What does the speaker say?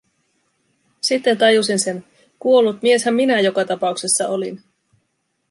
Sitten tajusin sen, kuollut mieshän minä joka tapauksessa olin.